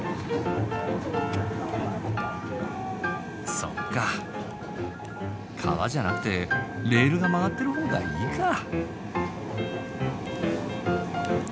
そっか川じゃなくてレールが曲がってる方がいいかあ。